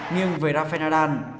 nhưng về rafa nadal